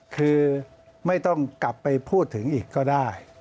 คือไม่ต้องกลับไปพูดถึงอีกก็ได้